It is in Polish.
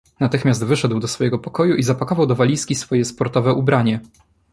"Natychmiast wyszedł do swego pokoju i zapakował do walizki swoje sportowe ubranie."